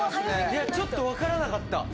ちょっと分からなかった。